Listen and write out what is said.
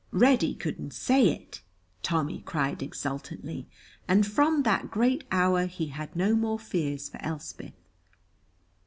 "Reddy couldn't say it!" Tommy cried exultantly, and from that great hour he had no more fears for Elspeth.